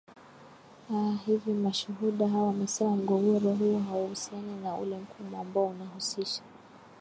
a hivyo mashuhuda hao wamesema mgogoro huo hauhusiani na ule mkubwa ambao unahusisha